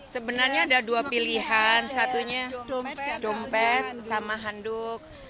sebenarnya ada dua pilihan satunya dompet sama handuk